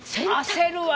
焦るわよ。